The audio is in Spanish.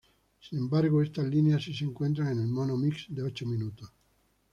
Sin embargo, estas líneas sí se encuentran en el mono mix de ocho minutos.